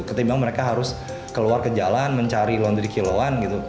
ketimbang mereka harus keluar ke jalan mencari laundry kiloan gitu